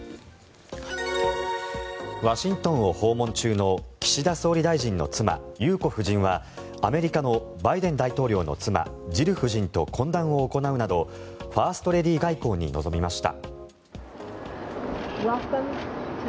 ワシントンを訪問中の岸田総理大臣の妻・裕子夫人はアメリカのバイデン大統領の妻ジル夫人と懇談を行うなどファーストレディー外交に臨みました。